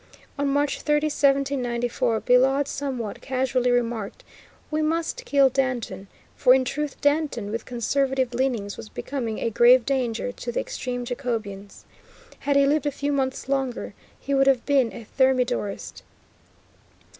On March 30, 1794, Billaud somewhat casually remarked, "We must kill Danton;" for in truth Danton, with conservative leanings, was becoming a grave danger to the extreme Jacobins. Had he lived a few months longer he would have been a Thermidorist.